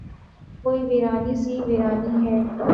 کوئی ویرانی سی ویرانی ہے